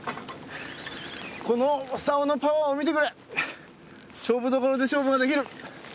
この竿のパワーを見てくれ勝負どころで勝負ができる！